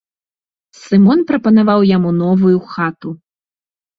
Сымон прапанаваў яму новую хату.